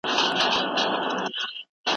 د بل چا په عقيده ملنډي وهل روا نه دي.